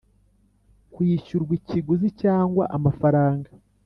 kwishyurwa ikiguzi cyangwa amafaranga